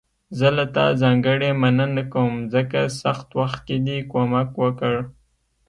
زه له تا ځانګړي مننه کوم، ځکه سخت وخت کې دې کومک وکړ.